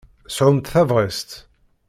Sɛumt tabɣest!